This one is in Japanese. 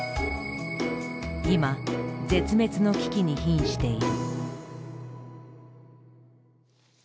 今絶滅の危機にひんしている。